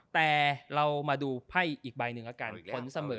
แต่เรามาดูไภ่อีกใบนึงละกัน